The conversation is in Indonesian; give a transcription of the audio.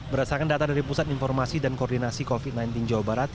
berdasarkan data dari pusat informasi dan koordinasi covid sembilan belas jawa barat